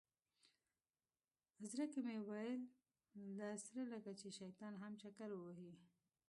زړه کې مې ویل ده سره لکه چې شیطان هم چکر ووهي.